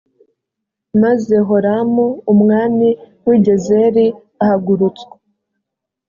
maze horamu umwami w i gezeri ahagurutswa